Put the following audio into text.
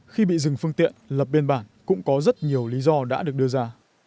khi bị dừng phương tiện lập biên bản cũng có rất nhiều lý do đã được đưa ra